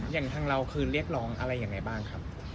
อย่างทางเราคือเรียกร้องอะไรยังไงบ้างครับ